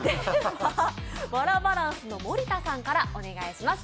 ワラバランスの盛田さんからお願いします。